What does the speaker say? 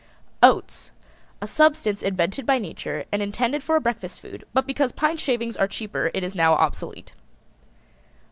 OATS. A substance invented by Nature and intended for a breakfast food, but because pine shavings are cheaper it is now obsolete.